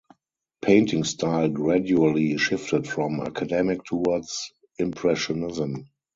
Painting style gradually shifted from academic towards impressionism.